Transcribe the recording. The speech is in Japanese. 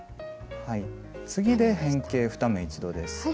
次で変形２目一度です。